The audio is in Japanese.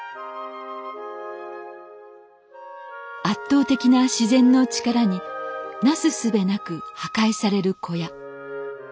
圧倒的な自然の力になすすべなく破壊される小屋。